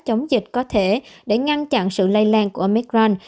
chống dịch có thể để ngăn chặn sự lây lan của amacran